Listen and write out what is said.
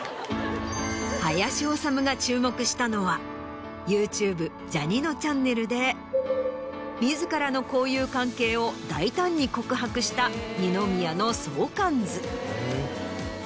林修が注目したのはＹｏｕＴｕｂｅジャにのちゃんねるで自らの交友関係を大胆に告白した二宮の相関図。